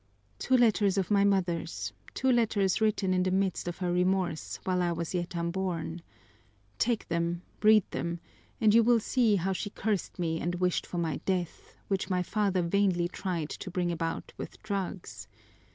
"Two letters of my mother's, two letters written in the midst of her remorse, while I was yet unborn! Take them, read them, and you will see how she cursed me and wished for my death, which my father vainly tried to bring about with drugs.